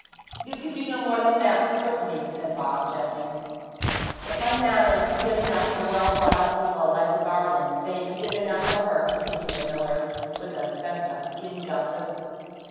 'You could do no more than that, certainly,' said Bob gently. 'If my manners be good enough for well brought up people like the Garlands, they be good enough for her,' continued the miller, with a sense of injustice.